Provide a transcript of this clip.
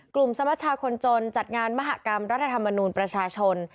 สมชาคนจนจัดงานมหากรรมรัฐธรรมนูลประชาชน